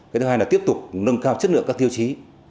cái thứ hai là tiếp tục nâng cao chất lượng các tiêu chí